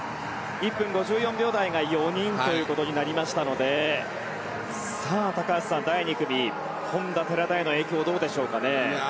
１分５４秒台が４人ということになりましたので高橋さん、第２組本多、寺田への影響はどうでしょうかね。